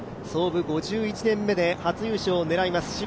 創部５１年目で初優勝を狙います